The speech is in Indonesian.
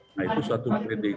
yang mungkin juga bisa mengambil